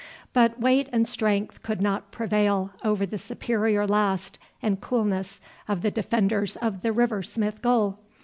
But weight and strength could not prevail over the superior last and coolness of the defenders of the River Smith goal.